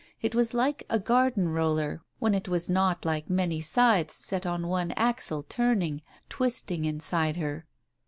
It was like a garden roller, when it was not like many scythes set on one axle turning, twisting inside her.